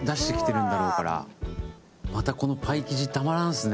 またこのパイ生地たまらんすね。